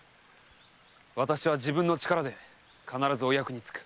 私は自分の力で必ずお役につく。